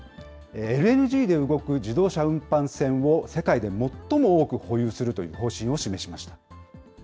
ＬＮＧで動く自動車運搬船を、世界で最も多く保有するという方針を示しました。